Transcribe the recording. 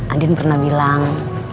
andin pernah bilang